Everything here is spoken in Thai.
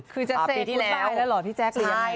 คือจะเซทฟุตรายแล้วเหรอพี่แจ๊กยังไง